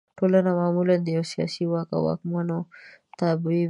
ټولنه معمولا د یوه سیاسي واک او واکمنو تابع وي.